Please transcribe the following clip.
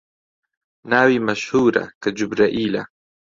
ناوی مەشهوورە، کە جوبرەئیلە